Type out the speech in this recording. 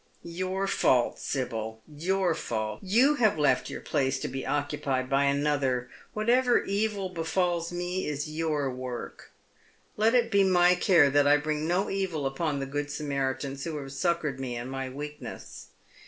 Your fault, Sibyl, your fault. You have left your place to be occupied by another. Whatever evil befalls me is jonr work. Let it be my care that I bring no evil upon the good Samaritans who have succoured me in my weakness.